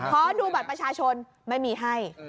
ขอดูบัตรประชาชนไม่มีให้